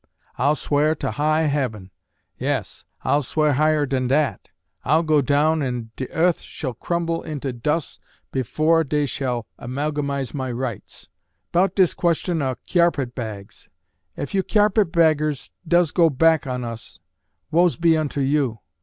I'll sw'ar tuh high Heaven. Yas, I'll sw'ar higher dan dat. I'll go down an' de uth shall crumble intuh dus' befor' dee shall amalgamise my rights. 'Bout dis question uh cyarpet bags. Ef you cyarpet baggers does go back on us, woes be unto you!